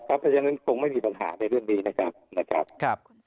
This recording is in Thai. เพราะฉะนั้นคงไม่มีปัญหาในเรื่องนี้นะครับ